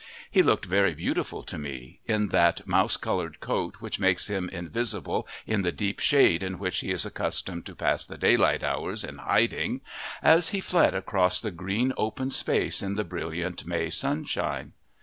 He looked very beautiful to me, in that mouse coloured coat which makes him invisible in the deep shade in which he is accustomed to pass the daylight hours in hiding, as he fled across the green open space in the brilliant May sunshine.